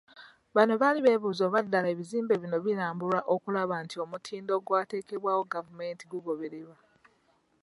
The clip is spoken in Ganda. Bano bali beebuuza oba ddala ebizimbe bino birambulwa okulaba nti omutindo ogwateekebwawo gavumenti gugobererwa.